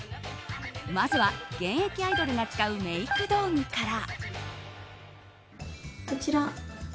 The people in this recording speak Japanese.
まずは現役アイドルが使うメイク道具から。